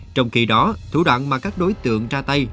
trong khi đó thủ đoạn mà các đối tượng ra tay